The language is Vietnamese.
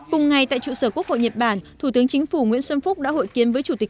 cùng ngày tại trụ sở quốc hội nhật bản thủ tướng chính phủ nguyễn xuân phúc đã hội kiến với chủ tịch